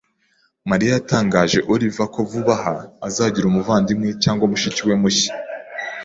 Mariya yatangarije Oliver ko vuba aha azagira umuvandimwe cyangwa mushiki we mushya.